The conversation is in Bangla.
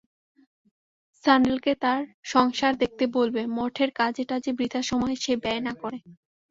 সাণ্ডেলকে তার সংসার দেখতে বলবে, মঠের কাজে-টাজে বৃথা সময় সে ব্যয় না করে।